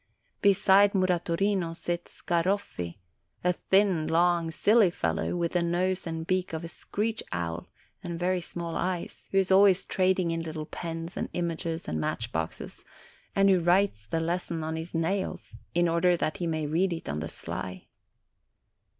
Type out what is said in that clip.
Beside Muratorino sits Garoffi, a long, thin, silly fel low, with the nose and beak of a screech owl, and very small eyes, who is always trading in little pens and images and match boxes, and who writes the lesson on his nails, in order that he may read it on the sly.